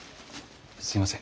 すいません。